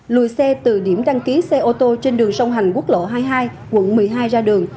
lùi xe từ điểm đăng ký xe ô tô trên đường sông hành quốc lộ hai mươi hai quận một mươi hai ra đường